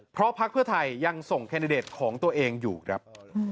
เพราะพักเพื่อไทยยังส่งแคนดิเดตของตัวเองอยู่ครับ